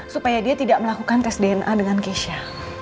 supaya dia tidak melakukan tes dna dengan keisha